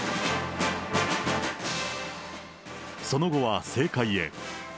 その後は政界へ。